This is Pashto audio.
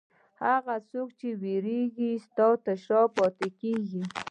هغه څوک چې وېرېږي، شا ته پاتې کېږي.